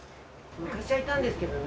昔はいたんですけどね